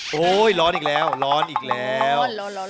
โอ้โหร้อนอีกแล้วร้อนอีกแล้ว